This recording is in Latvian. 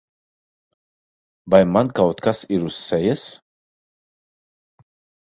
Vai man kaut kas ir uz sejas?